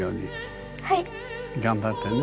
頑張ってね。